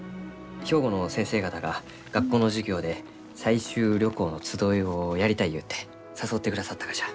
兵庫の先生方が学校の授業で採集旅行の集いをやりたいゆうて誘ってくださったがじゃ。